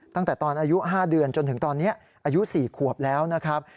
ตั้งแต่ตอนอายุ๕เดือนจนถึงตอนนี้อายุ๔ขวบแล้วนะครับ